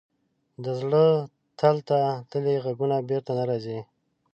د زړه تل ته تللي ږغونه بېرته نه راځي.